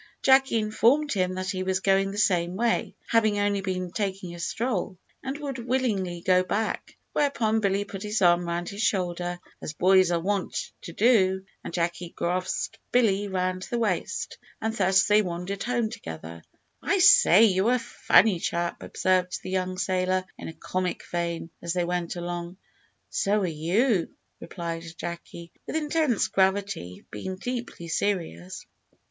Jacky informed him that he was going the same way, having only been taking a stroll, and would willingly go back: whereupon Billy put his arm round his shoulder, as boys are wont to do, and Jacky grasped Billy round the waist, and thus they wandered home together. "I say, you're a funny chap," observed the young sailor, in a comic vein, as they went along. "So are you," replied Jacky, with intense gravity, being deeply serious.